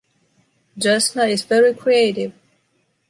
Jasna is very creative.